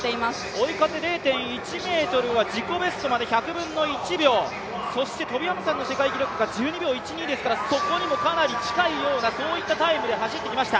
追い風０．１メートルは自己ベストまで１００分の１秒、そしてトビ・アムサンの世界記録が１２秒１２ですからそこにもかなり近いようなタイムで走ってきました。